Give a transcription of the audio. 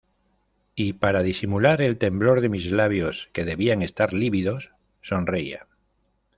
y para disimular el temblor de mis labios que debían estar lívidos, sonreía.